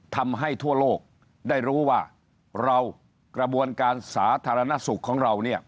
ทำให้ทั่วโลกได้รู้ว่าเรากระบวนการสาธารณสุขของเราเนี่ย